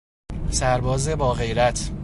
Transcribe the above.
سرباز باغیرت